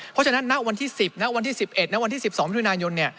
เพราะฉะนั้นณวันที่๑๐นะวันที่๑๑ณวันที่๑๒มิถุนายน